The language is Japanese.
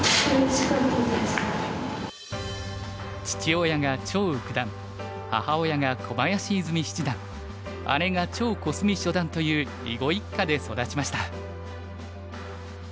父親が張栩九段母親が小林泉美七段姉が張心澄初段という囲碁一家で育ちました。